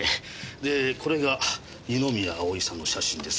でこれが二宮葵さんの写真です。